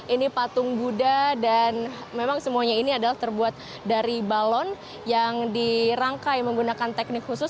ini patung buddha dan memang semuanya ini adalah terbuat dari balon yang dirangkai menggunakan teknik khusus